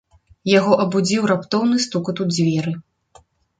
Яго абудзіў раптоўны стукат у дзверы.